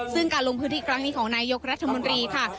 ซึ่งการลงพื้นที่ครั้งนี้ของนายกรัฐมนตรีค่ะ